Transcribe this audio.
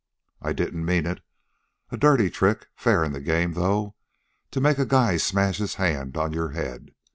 I didn't mean it. A dirty trick, fair in the game, though, to make a guy smash his hand on your head.